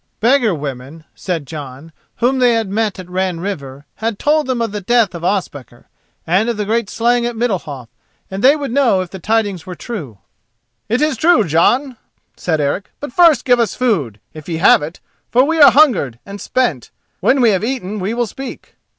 "Beggar women," said Jon, "whom they met at Ran River, had told them of the death of Ospakar, and of the great slaying at Middalhof, and they would know if the tidings were true." "It is true, Jon," said Eric; "but first give us food, if ye have it, for we are hungered and spent. When we have eaten we will speak."